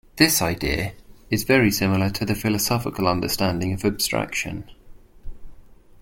This idea is very similar to the philosophical understanding of abstraction.